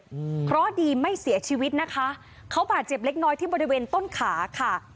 อืมเพราะดีไม่เสียชีวิตนะคะเขาบาดเจ็บเล็กน้อยที่บริเวณต้นขาค่ะ